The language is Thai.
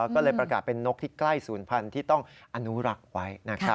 ก็เลยประกาศเป็นนกที่ใกล้ศูนย์พันธุ์ที่ต้องอนุรักษ์ไว้